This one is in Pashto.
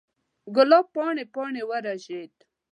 ګلاب پاڼې، پاڼې ورژید